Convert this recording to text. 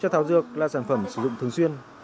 cho thảo dược là sản phẩm sử dụng thường xuyên